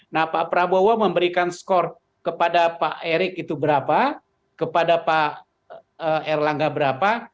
nah pak prabowo memberikan skor kepada pak erik itu berapa kepada pak erlangga berapa